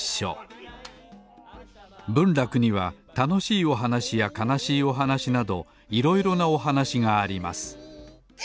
文楽にはたのしいおはなしやかなしいおはなしなどいろいろなおはなしがあります。